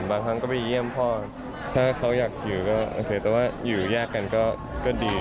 บางครั้งก็ไปเยี่ยมพ่อถ้าเขาอยากอยู่ก็โอเคแต่ว่าอยู่แยกกันก็ดี